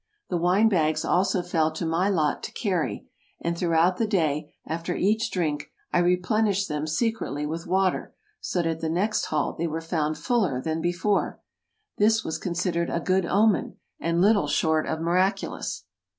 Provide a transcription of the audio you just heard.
The wine bags also fell to my lot to carry, and throughout the day, after each drink, I replenished them secretly with water, so that at the next halt they were found fuller than before ! This was considered a good omen, and little short of miraculous.